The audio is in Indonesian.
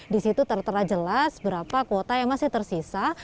di situ tertera jelas berapa kuota yang masih tersisa